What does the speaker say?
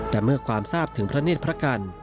แต่เมื่อความทราบถึงพระเนธพระกัน